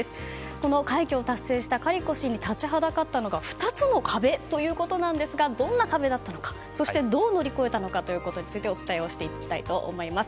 この快挙を達成したカリコ氏に立ちはだかったのが２つの壁ということなんですがどんな壁だったのか、そしてどう乗り越えたのかについてお伝えをしていきたいと思います。